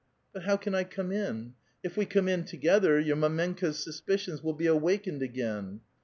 '' But how can I come in? If we come in together, your mdmenka's suspicions will be awakened again